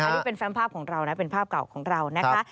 ถ้าวิ่งเป็นภาพก่อนของเราเป็นภาพเก่าของเราน่ะคะ